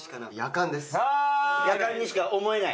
やかんにしか思えない？